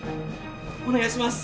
お願いします！